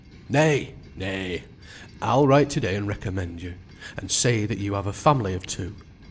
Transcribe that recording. "Nay, nay! I'll write to day and recommend you; and say that you have a family of two.